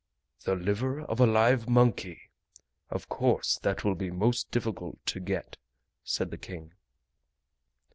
"The liver of a live monkey! Of course that will be most difficult to get," said the King.